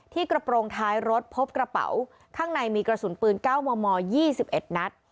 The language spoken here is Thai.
ที่กระโปรงท้ายรถพบกระเป๋าข้างในมีกระสุนปืนเก้าหมอมอยี่สิบเอ็ดนัด